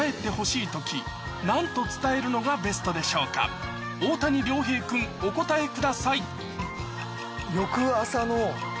ここで大谷亮平君お答えください